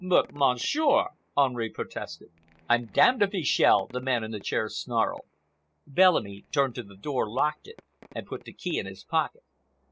"But, Monsieur!" Henri protested. "I'm d—d if he shall!" the man in the chair snarled. Bellamy turned to the door, locked it, and put the key in his pocket.